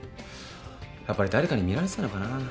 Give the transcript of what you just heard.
やっぱり誰かに見られてたのかな。